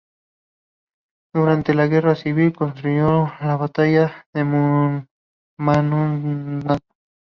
Durante la Guerra Civil, constituyó el Batallón Numancia.